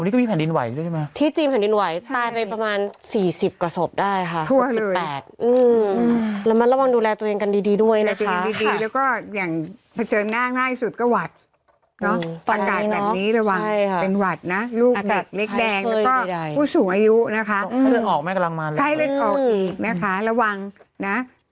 ใครเล่นออกอีกนะคะระวังนะ